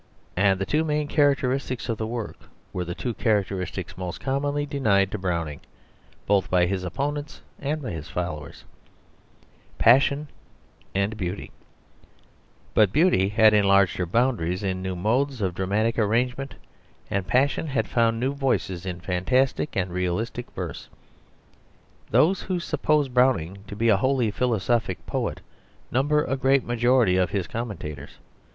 And the two main characteristics of the work were the two characteristics most commonly denied to Browning, both by his opponents and his followers, passion and beauty; but beauty had enlarged her boundaries in new modes of dramatic arrangement, and passion had found new voices in fantastic and realistic verse. Those who suppose Browning to be a wholly philosophic poet, number a great majority of his commentators.